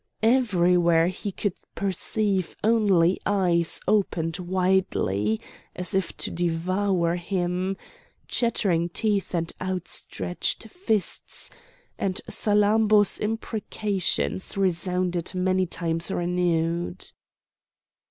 Everywhere he could perceive only eyes opened widely as if to devour him, chattering teeth and outstretched fists, and Salammbô's imprecations resounded many times renewed.